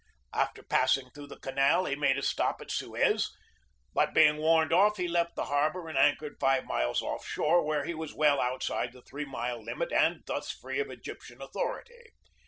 After passing through the canal he made a stop at Suez, but being warned off he left the harbor and anchored five miles offshore, where he was well out side the three mile limit and thus free of Egyptian authority.